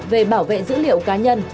về bảo vệ dữ liệu cá nhân